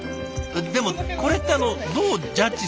でもこれってあのどうジャッジするの？